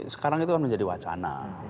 sekarang itu kan menjadi wacana